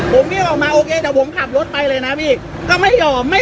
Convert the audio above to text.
ผมวิ่งออกมาโอเคแต่ผมขับรถไปเลยนะพี่ก็ไม่ยอม